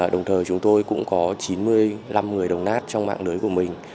đồng thời chúng tôi cũng có chín mươi năm người đồng nát trong mạng lưới của mình